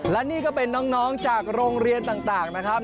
และนี่ก็เป็นน้องจากโรงเรียนต่างนะครับ